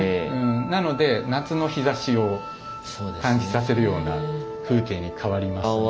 なので夏の日ざしを感じさせるような風景に変わりますね。